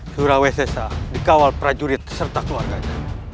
surah wssa dikawal prajurit serta keluarganya